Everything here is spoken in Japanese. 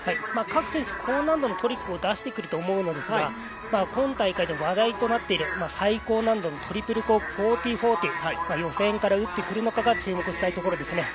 各選手、高難度のトリックを出してくると思うんですが今大会、話題となっている最高難度のトリプルコーク１４４０予選から打ってくるのかが注目したいところです。